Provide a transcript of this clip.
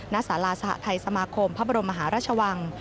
สาราสหทัยสมาคมพระบรมมหาราชวัง